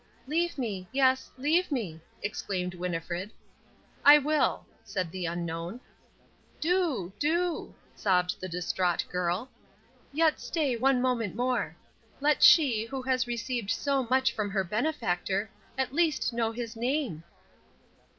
"Leave me, yes, leave me," exclaimed Winnifred. "I will," said the Unknown. "Do, do," sobbed the distraught girl. "Yet stay, one moment more. Let she, who has received so much from her benefactor, at least know his name."